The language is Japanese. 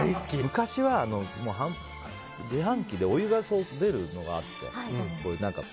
昔は、自販機でお湯が出るのがあって。